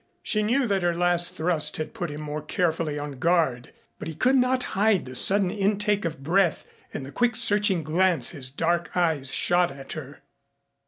She knew that her last thrust had put him more carefully on guard, but he could not hide the sudden intake of breath and the quick searching glance his dark eyes shot at her.